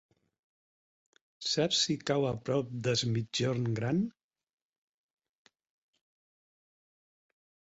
Saps si cau a prop d'Es Migjorn Gran?